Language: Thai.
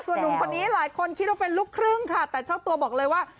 ส่วนหนุ่มคนนี้หลายคนคิดว่าเป็นลูกครึ่งค่ะแต่เจ้าตัวบอกเลยว่า